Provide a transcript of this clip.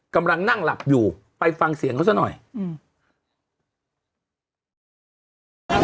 กำลังนั่งหลับอยู่ไปฟังเสียงเขาซะหน่อยอืม